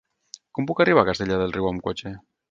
Com puc arribar a Castellar del Riu amb cotxe?